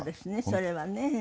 それはね。